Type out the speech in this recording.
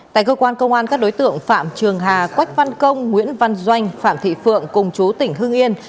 tại cơ quan công an các đối tượng phạm trường hà quách văn công nguyễn văn doanh phạm thị phượng cùng chú tỉnh hương yên